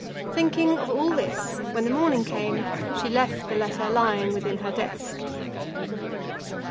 Thinking of all this, when the morning came, she left the letter lying within her desk.